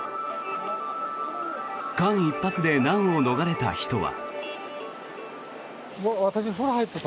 間一髪で難を逃れた人は。